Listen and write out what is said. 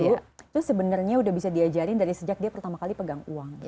itu sebenarnya udah bisa diajarin dari sejak dia pertama kali pegang uang